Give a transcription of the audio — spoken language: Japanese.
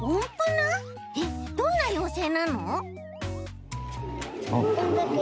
えっどんな妖精なの？